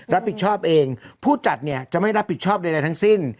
รับผิดชอบเองผู้จัดเนี่ยจะไม่รับผิดชอบใดทั้งสิ้น